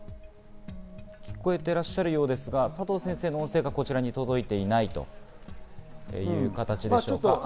聞こえていらっしゃるようですが、佐藤先生の音声がこちらに届いてない感じですね。